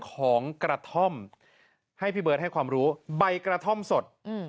ของกระท่อมให้พี่เบิร์ตให้ความรู้ใบกระท่อมสดอืม